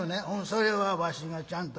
「それはわしがちゃんと言う。